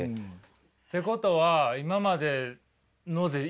ってことは今までのでいいんだ。